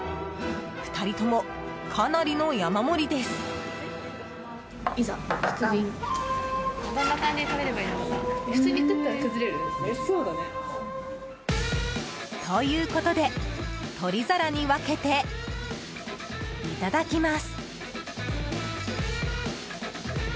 ２人ともかなりの山盛りです！ということで取り皿に分けて、いただきます。